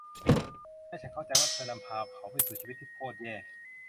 และฉันเข้าใจว่าเธอนำพาเขาไปสู่ชีวิตที่โครตแย่